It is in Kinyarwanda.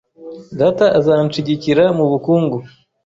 Data azanshigikira mubukungu .